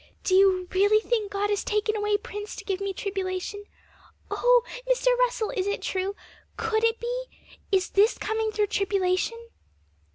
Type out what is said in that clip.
'Do you really think God has taken away Prince to give me tribulation? Oh! Mr. Russell, is it true, could it be? Is this coming through tribulation?'